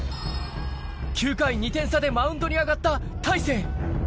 ９回、２点差でマウンドにあがった大勢。